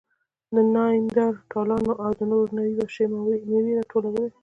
نیاندرتالانو او نورو نوعو وحشي مېوې ټولولې.